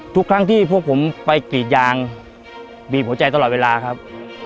ทุกครั้งที่พวกผมไปกรีดยางบีบหัวใจตลอดเวลาครับ